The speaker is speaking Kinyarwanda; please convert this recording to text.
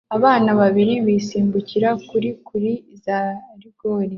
Abana babiri basimbukira kuri kuri za rigore